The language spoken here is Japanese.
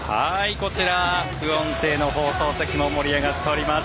こちら副音声のほうも盛り上がっております。